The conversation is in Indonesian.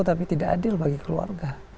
tapi tidak adil bagi keluarga